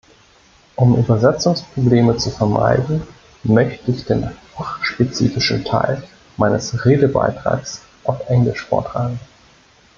Um Übersetzungsprobleme zu vermeiden, möchte ich den fachspezifischeren Teil meines Redebeitrags auf Englisch vortragen.